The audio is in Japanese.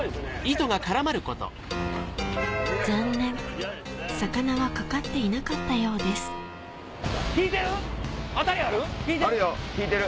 残念魚はかかっていなかったようです引いてる？